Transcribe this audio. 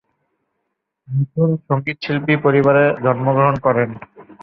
মিথুন সঙ্গীতশিল্পী পরিবারে জন্মগ্রহণ করেন।